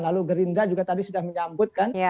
lalu gerindra juga tadi sudah menyambut kan